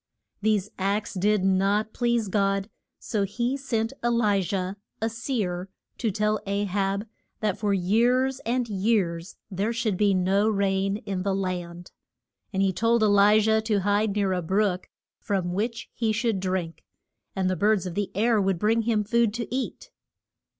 These acts did not please God, so he sent E li jah, a seer, to tell A hab that for years and years there should be no rain in the land. And he told E li jah to hide near a brook from which he should drink, and the birds of the air would bring him food to eat.